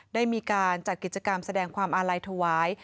ได้มีการจัดกิจกรรมแสดงความอาลัยถวาย